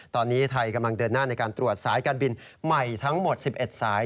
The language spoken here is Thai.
ตอนนี้ไทยกำลังเดินหน้าในการตรวจสายการบินใหม่ทั้งหมด๑๑สาย